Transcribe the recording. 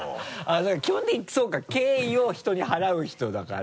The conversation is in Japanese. だから基本的にそうか敬意を人に払う人だから。